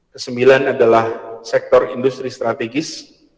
kesembilan adalah sektor industri strategis